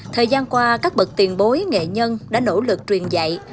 thời gian qua các bậc tiền bối nghệ nhân đã nỗ lực truyền dạy